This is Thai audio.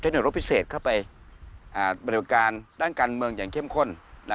หน่วยรบพิเศษเข้าไปบริการด้านการเมืองอย่างเข้มข้น